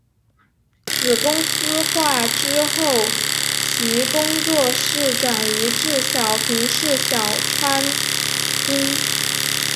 子公司化之后其工作室转移至小平市小川町。